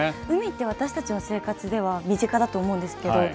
海って私たちの生活では身近だと思うんですけど。